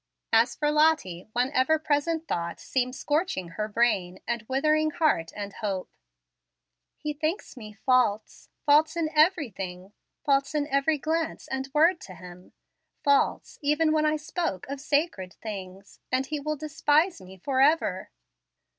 As for Lottie, one ever present thought seemed scorching her brain and withering heart and hope. "He thinks me false, false in everything, false in every glance and word to him, false even when I spoke of sacred things; and he will despise me forever."